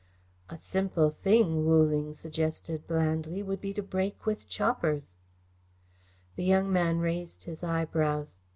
"A simple thing," Wu Ling suggested blandly, "would be to break with choppers." The young man raised his eyebrows.